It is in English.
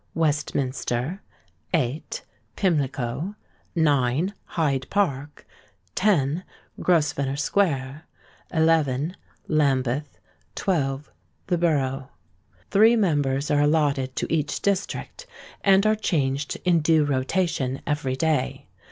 Westminster; 8. Pimlico; 9. Hyde Park; 10. Grosvenor Square; 11. Lambeth; 12. The Borough. Three members are allotted to each district, and are changed in due rotation every day.